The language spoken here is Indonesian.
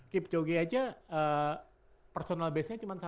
keep choggy aja personal base nya cuma satu menit kan